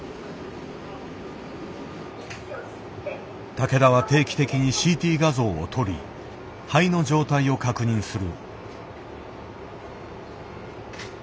竹田は定期的にＣＴ画像を撮り肺の状態を確認する。